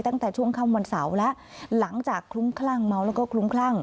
ตั้งแต่ช่วงค่ำวันเสาร์แล้วหลังจากคลุ้มคลั่งเมาแล้วก็คลุ้มคลั่ง